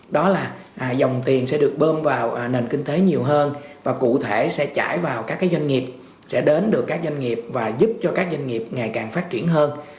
đó là dòng tiền sẽ được bơm vào nền kinh tế nhiều hơn và cụ thể sẽ chảy vào các doanh nghiệp sẽ đến được các doanh nghiệp và giúp cho các doanh nghiệp ngày càng phát triển hơn